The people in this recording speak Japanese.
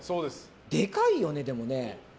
でかいよね、でもね。